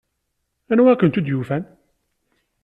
Anwa i kent-id-yufan?